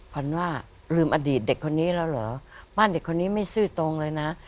พันว่าลืมอดีตเด็กคนนี้แล้วเหรอบ้านเด็กคนนี้ไม่ซื่อตรงเลยนะ